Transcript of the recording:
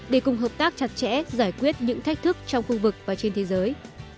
để cùng hợp tác chặt chẽ giải quyết những thách thức trong khu vực và trên thế giới